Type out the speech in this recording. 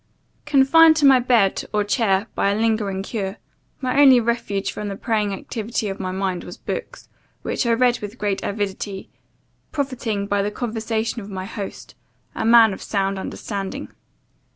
"Confined to my bed, or chair, by a lingering cure, my only refuge from the preying activity of my mind, was books, which I read with great avidity, profiting by the conversation of my host, a man of sound understanding.